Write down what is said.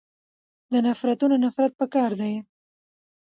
د نفرتونونه نفرت پکار دی.